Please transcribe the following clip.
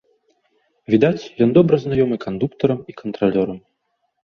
Відаць, ён добра знаёмы кандуктарам і кантралёрам.